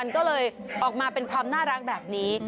ก็เลยออกมาเป็นความน่ารักแบบนี้